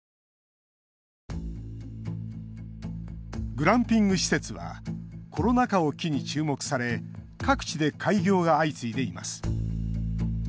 グランピング施設はコロナ禍を機に注目され各地で開業が相次いでいます。